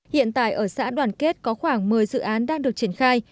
hiện tại ở xã đoàn kết có khoảng một mươi dự án đang được triển khai